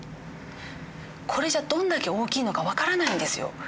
これじゃどんだけ大きいのか分からないんですよ！